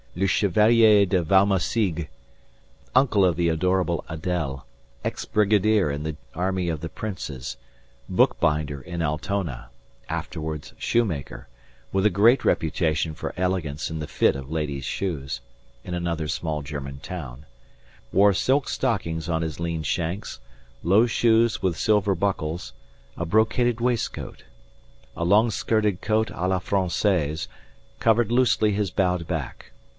Le Chevalier de Valmassigue, uncle of the adorable Adèle, ex brigadier in the army of the princes, bookbinder in Altona, afterwards shoemaker (with a great reputation for elegance in the fit of ladies' shoes) in another small German town, wore silk stockings on his lean shanks, low shoes with silver buckles, a brocaded waistcoat. A long skirted coat à la Française covered loosely his bowed back.